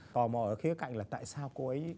tò mò ở khía cạnh là tại sao cô ấy